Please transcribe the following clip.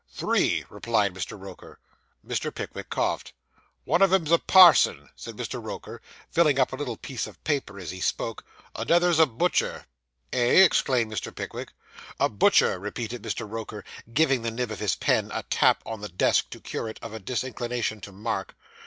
'Three,' replied Mr. Roker. Mr. Pickwick coughed. 'One of 'em's a parson,' said Mr. Roker, filling up a little piece of paper as he spoke; 'another's a butcher.' 'Eh?' exclaimed Mr. Pickwick. 'A butcher,' repeated Mr. Roker, giving the nib of his pen a tap on the desk to cure it of a disinclination to mark.